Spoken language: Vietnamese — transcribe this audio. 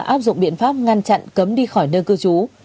áp dụng biện pháp ngăn chặn cấm đi khỏi nơi cư trú